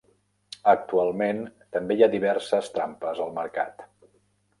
Actualment també hi ha diverses trampes al mercat.